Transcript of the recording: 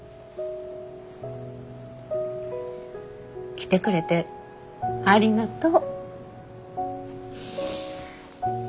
来てくれてありがとう。